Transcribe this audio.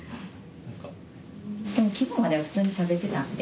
昨日までは普通にしゃべってたので。